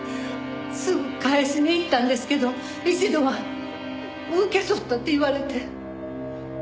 すぐ返しに行ったんですけど一度は受け取ったって言われて。